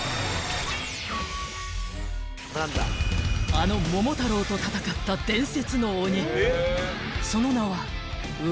［あの桃太郎と戦った伝説の鬼その名は］